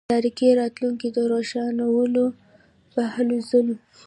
د تاریکي راتلونکي د روښانولو په هلوځلو.